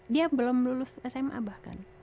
dia belum lulus sma bahkan